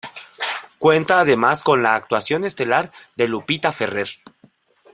Cuenta además con la actuación estelar de Lupita Ferrer.